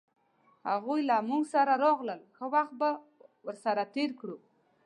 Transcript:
هغوی له مونږ سره راغلل ښه وخت به سره تیر کړو